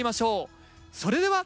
それでは。